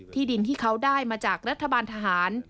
ดินที่เขาได้มาจากรัฐบาลทหาร